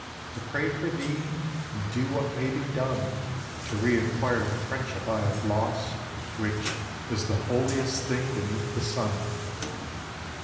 To pray for thee, and do what may be done To re acquire the friendship I have lost, Which is the holiest thing beneath the sun.